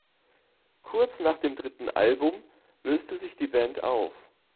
Kurz nach dem dritten Album löste sich die Band auf.